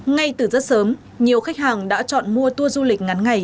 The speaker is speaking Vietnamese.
ngay từ rất sớm nhiều khách hàng đã chọn mua tour du lịch ngắn ngày